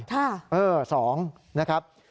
ค่ะเออสองนะครับ